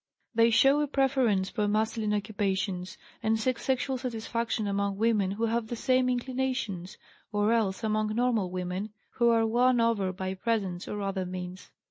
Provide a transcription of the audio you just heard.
They show a preference for masculine occupations, and seek sexual satisfaction among women who have the same inclinations, or else among normal women, who are won over by presents or other means.